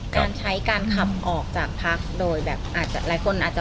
การใช้การขับออกจากพักโดยแบบอาจจะหลายคนอาจจะ